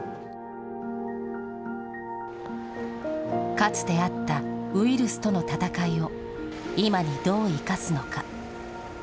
かつてあったウイルスとの闘いを今にどう生かすのか。